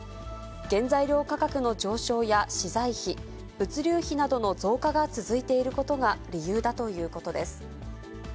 原材料価格の上昇や資材費、物流費などの増加が続いていることが理由だということです。